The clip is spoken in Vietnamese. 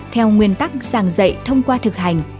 theo nguyên tắc giảng dạy thông qua thực hành